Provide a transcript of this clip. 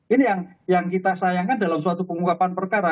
ini yang kita sayangkan dalam suatu pengungkapan perkara